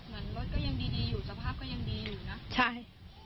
เหมือนรถก็ยังดีอยู่สภาพก็ยังดีอยู่นะใช่